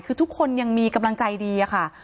คือทุกคนยังมีกำลังใจดีค่ะ